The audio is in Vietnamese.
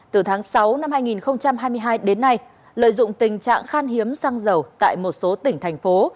từ tháng sáu năm hai nghìn hai mươi hai đến nay lợi dụng tình trạng khan hiếm xăng dầu tại một số tỉnh thành phố